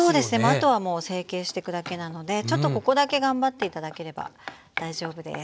あとはもう成形してくだけなのでちょっとここだけ頑張って頂ければ大丈夫です。